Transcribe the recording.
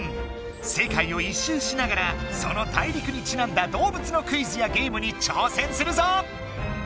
世界を一周しながらその大陸にちなんだ動物のクイズやゲームに挑戦するぞ！